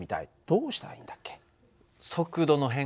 どうしたらいいんだっけ？